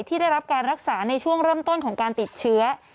ที่ได้รับการรักษาในช่วงเริ่มต้นของการติดเชื้อ